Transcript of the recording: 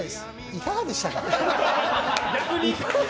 いかがでしたか？